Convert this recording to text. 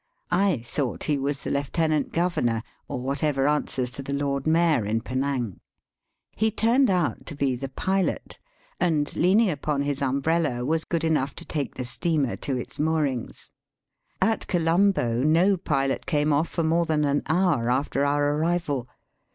I thought he was the lieutenant governor, or whatever answers to the Lord Mayor in Penang. He turned out to be the pilot, and, leaning upon his umbrella, was good enough to take the steamer to its moor ings. At Colombo no pilot came off for more than an hour after our arrival.